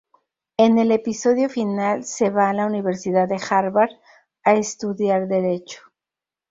En el episodio final se va a la universidad de Harvard a estudiar derecho.